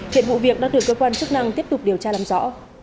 hiện vụ việc đang được cơ quan chức năng tiếp tục điều tra làm rõ